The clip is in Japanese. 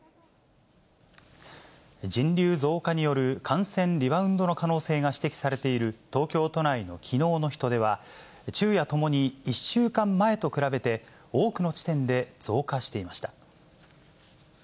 人流増加による感染リバウンドの可能性が指摘されている東京都内のきのうの人出は、昼夜ともに１週間前と比べて、多くの地点で増加していました。